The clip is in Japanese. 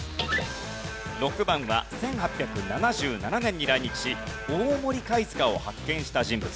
６番は１８７７年に来日し大森貝塚を発見した人物。